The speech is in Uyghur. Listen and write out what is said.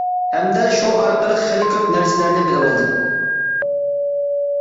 ھەمدە شۇ ئارقىلىق خېلى كۆپ نەرسىلەرنى بىلىۋالدىم.